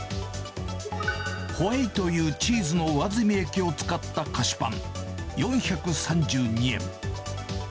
ホエイというチーズの上澄み液を使った菓子パン４３２円。